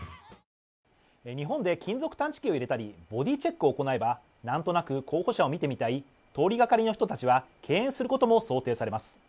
日本で金属探知機を入れたり、ボディーチェックを行えばなんとなく候補者を見てみたい通りがかりの人たちは敬遠することも想定されます。